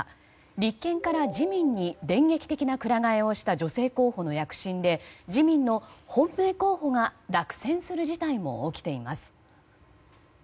立憲から自民に電撃的なくら替えをした女性の躍進で自民の本命候補が落選する事態も起きています。